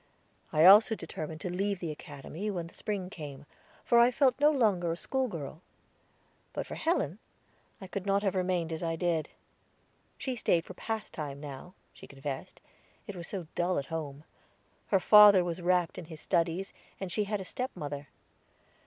I also determined to leave the Academy when the spring came, for I felt no longer a schoolgirl. But for Helen, I could not have remained as I did. She stayed for pastime now, she confessed, it was so dull at home; her father was wrapped in his studies, and she had a stepmother.